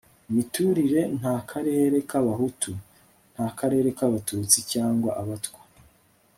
imiturire nta karere k'abahutu, nta karere k'abatutsi cyangwa abatwa